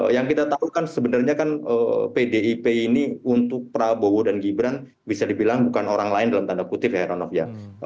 yang kita tahu kan sebenarnya kan pdip ini untuk prabowo dan gibran bisa dibilang bukan orang lain dalam tanda kutip ya heranov ya